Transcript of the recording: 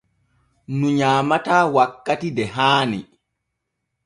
Ŋu nyaamataa wakkati de haani.